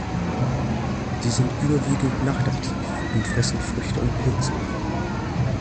Sie sind überwiegend nachtaktiv und fressen Früchte und Pilze.